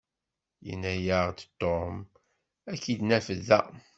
Yenna-yaɣ-d Tom ad k-id-naf da.